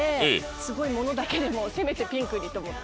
すごいものだけでもせめてピンクにと思って。